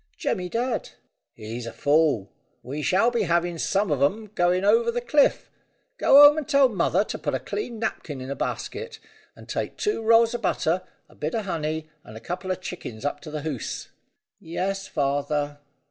"Jemmy Dadd." "He's a fool. We shall be having some of 'em going over the cliff. Go home and tell mother to put a clean napkin in a basket, and take two rolls of butter, a bit of honey, and a couple of chickens up to the Hoze." "Yes, father."